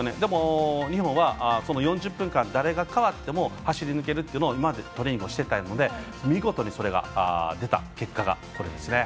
日本は、その４０分間誰がかわっても走り抜けるという今までトレーニングしていたので見事にそれが出た結果がこれですね。